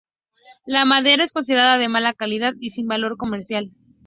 La madera es considerada de mala calidad y sin valor comercial.